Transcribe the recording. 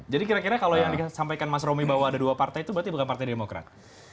jadi kira kira kalau yang disampaikan mas romi bahwa ada dua partai itu berarti bukan partai demokrat